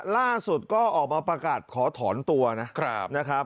ล่าสุดก็ออกมาประกาศขอถอนตัวนะครับ